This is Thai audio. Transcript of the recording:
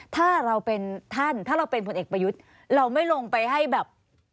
ถ้าเราเป็นท่านถ้าเราเป็นผลเอกประยุทธ์เราไม่ลงไปให้แบบ